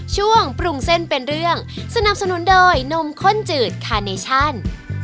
ช่วงปรุงเส้นเป็นเรื่องสนับสนุนโดยนมข้นจืดคาเนชั่น